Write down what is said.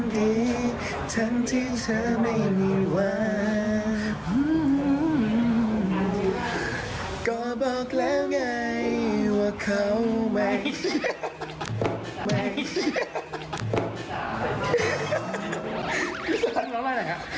พี่สะพานกลัวไหนอ่ะ